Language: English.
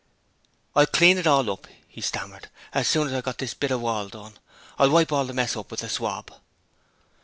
'I'll clean it all up', he stammered. 'As soon as I've got this bit of wall done, I'll wipe all the mess up with the swab.'